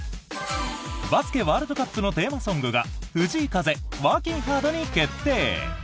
バスケワールドカップのテーマソングが藤井風「Ｗｏｒｋｉｎ’Ｈａｒｄ」に決定。